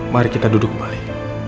mari kita duduk kembali